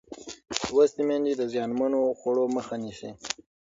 لوستې میندې د زیانمنو خوړو مخه نیسي.